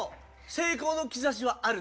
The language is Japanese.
成功のきざしはあるね。